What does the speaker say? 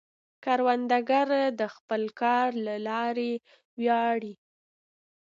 کروندګر د خپل کار له لارې ویاړي